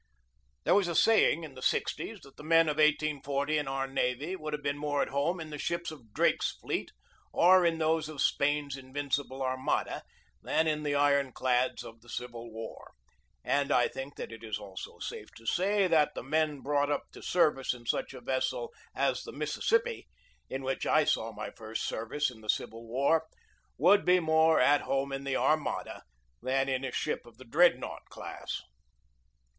There was a saying in the sixties that the men of 1840 in our navy would have been more at home in the ships of Drake's fleet or in those of Spain's In vincible Armada than in the iron clads of the Civil War; and I think that it is also safe to say that the men brought up to service in such a vessel as the Mississippi, in which I saw my first service in the Civil War, would be more at home in the Armada than in a ship of the Dreadnought class.